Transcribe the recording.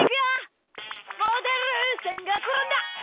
モデルさんがころんだ！